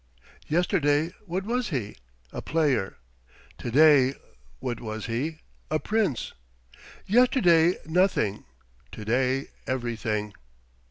Yesterday, what was he? A player. To day, what was he? A prince. Yesterday, nothing; to day, everything.